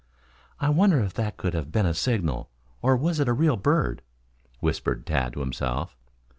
"I wonder if that could have been a signal, or was it a real bird," whispered Tad to himself.